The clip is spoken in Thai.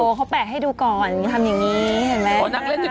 โธ่เขาแปะให้ดูก่อนทำอย่างงี้เห็นรึไง